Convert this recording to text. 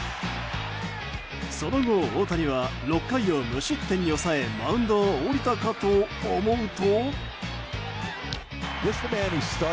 その後、大谷は６回を無失点に抑えマウンドを降りたかと思うと。